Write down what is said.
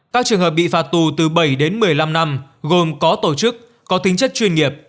các trường hợp bị phạt tù từ bảy đến một mươi năm năm gồm có tổ chức có tính chất chuyên nghiệp